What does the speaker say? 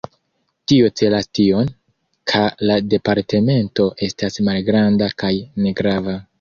Tio celas tion, ka la departemento estas malgranda kaj negrava.